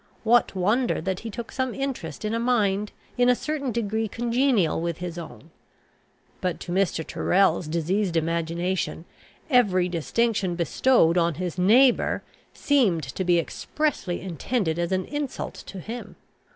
What wonder that he took some interest in a mind in a certain degree congenial with his own? But to Mr. Tyrrel's diseased imagination, every distinction bestowed on his neighbour seemed to be expressly intended as an insult to him.